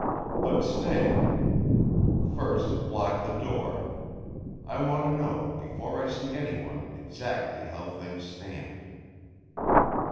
But stay; first lock the door! I want to know, before I see anyone, exactly how things stand."